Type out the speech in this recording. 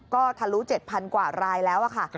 ก็ทะลุ๗๐๐กว่ารายแล้วค่ะ